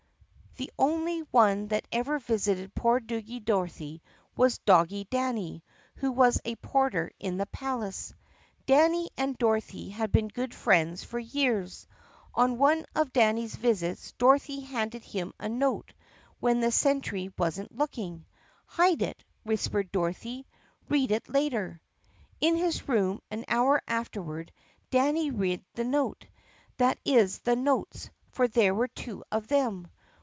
The only one that ever visited poor Doggie Dorothy was Doggie Danny who was a porter in the palace. Danny and Dorothy had been good friends for years. On one of Danny's visits Dorothy handed him a note when the sentry was n't looking. "Hide it!" whispered Dorothy. "Read it later!" In his room an hour afterward Danny read the note — that is, the notes, for there were two of them.